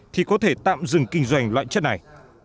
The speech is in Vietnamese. thì có thể tạm dừng kinh doanh loại chất này